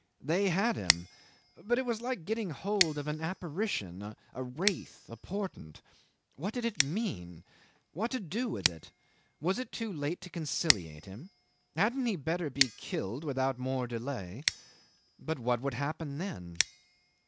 They had him, but it was like getting hold of an apparition, a wraith, a portent. What did it mean? What to do with it? Was it too late to conciliate him? Hadn't he better be killed without more delay? But what would happen then?